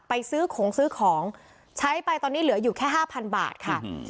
ไปซื้อของซื้อของใช้ไปตอนนี้เหลืออยู่แค่ห้าพันบาทค่ะ